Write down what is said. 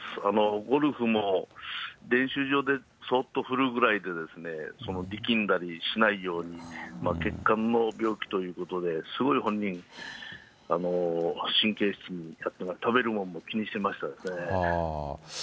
ゴルフも練習場でそっと振るぐらいでですね、力んだりしないように、血管の病気ということで、すごい本人、神経質に、食べるもんも気にしてましたですね。